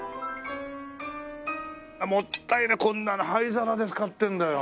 もったいないこんなの灰皿で使ってるんだよ。